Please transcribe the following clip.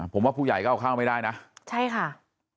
ผมว่าผู้ใหญ่ก็เอาเข้าไม่ได้นะใช่ค่ะ